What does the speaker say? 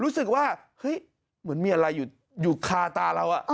รู้สึกว่าเฮ้ยเหมือนมีอะไรอยู่คาตาเรา